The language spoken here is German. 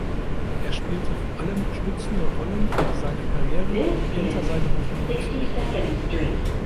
Er spielte vor allem stützende Rollen und seine Karriere blieb hinter seinen Hoffnungen zurück.